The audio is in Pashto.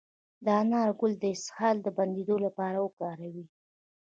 د انار ګل د اسهال د بندیدو لپاره وکاروئ